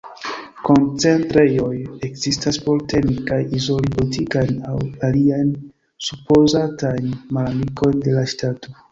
Koncentrejoj ekzistas por teni kaj izoli politikajn aŭ aliajn supozatajn malamikojn de la ŝtato.